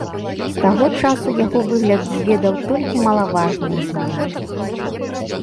З таго часу яго выгляд зведаў толькі малаважныя змены.